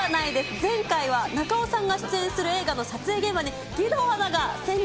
前回は中尾さんが出演する映画の撮影現場に、義堂アナが潜入。